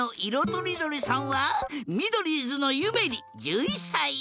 とりどりさんはミドリーズのゆめり１１さい。